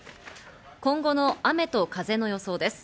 今後の雨と風の予想です。